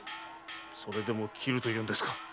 それでも斬るというんですか？